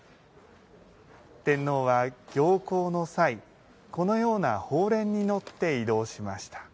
天皇は、行幸の際このような鳳輦に乗って移動しました。